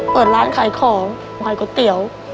เปิดร้านขายของขายก๋วยเตี๋ยว